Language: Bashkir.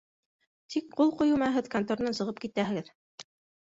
Тик ҡул ҡуйыу менән һеҙ конторанан сығып китәһегеҙ!